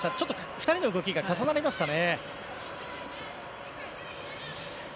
２人の動きが重なりましたね。